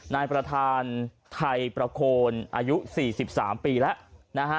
นายประธานไทยประโคนอายุ๔๓ปีแล้วนะฮะ